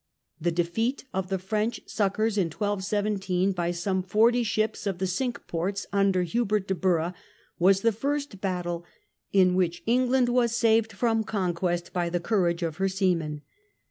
The defeat of the French succours in 121 7, by some forty ships of the Cinque Ports under Hubert de Burgh, was the first battle in which England was saved from conquest by the courage of her seamen.